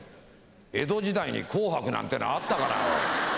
江戸時代に「紅白」なんてのあったかなおい。